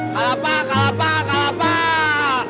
kalapak kalapak kalapak